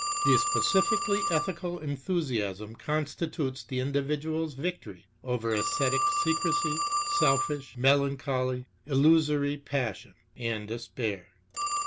The specifically ethical enthusiasm constitutes the individual's victory over esthetic secrecy, selfish melancholy, illusory passion, and despair.